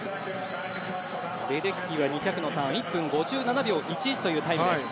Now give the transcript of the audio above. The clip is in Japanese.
レデッキーは２００のターン１分５７秒１１というタイムです。